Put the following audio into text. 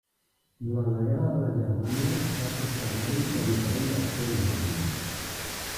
Durant la Guerra de les Germanies va ser escenari de diferents accions d'armes.